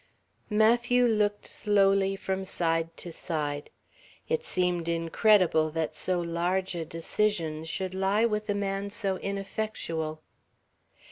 Matthew looked slowly from side to side. It seemed incredible that so large a decision should lie with a man so ineffectual.